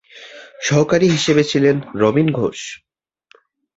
সহকারী হিসেবে ছিলেন রবীন ঘোষ।